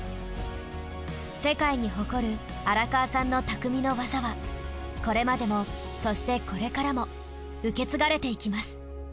世界に誇る荒川さんの匠の技はこれまでもそしてこれからも受け継がれていきます。